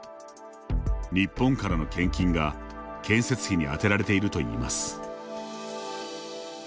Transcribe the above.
日本からの献金が建設費に充てられているといいます。